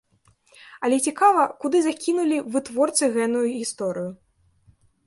Але цікава, куды закінулі вытворцы гэную гісторыю.